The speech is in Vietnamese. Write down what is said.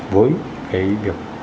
với cái việc